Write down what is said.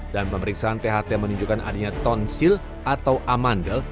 dan pemeriksaan tht menunjukkan adanya tonsil atau amandel